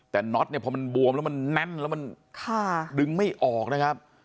แต่น็อตเนี่ยพอมันบวมแล้วมันแน่นแล้วมันดึงไม่ออกนะครับ